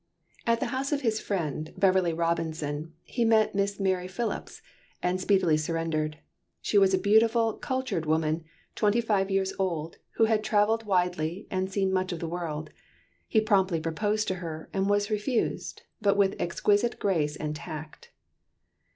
At the house of his friend, Beverly Robinson, he met Miss Mary Philipse, and speedily surrendered. She was a beautiful, cultured woman, twenty five years old, who had travelled widely and had seen much of the world. He promptly proposed to her, and was refused, but with exquisite grace and tact.